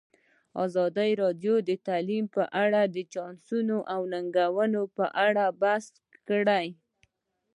ازادي راډیو د تعلیم په اړه د چانسونو او ننګونو په اړه بحث کړی.